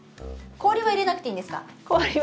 氷は入れなくてもいいですよ。